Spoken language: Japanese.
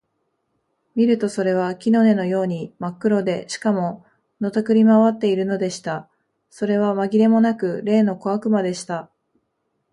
見るとそれは木の根のようにまっ黒で、しかも、のたくり廻っているのでした。それはまぎれもなく、例の小悪魔でした。